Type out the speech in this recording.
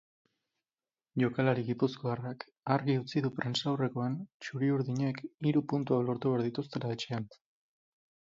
Jokalari gipuzkoarrak argi utzi du prentsaurrekoan txuri-urdinek hiru puntuak lortu behar dituztela etxean.